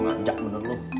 ngacak bener lo